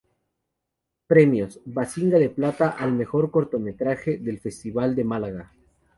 Premios: Biznaga de plata al Mejor cortometraje del Festival de Málaga.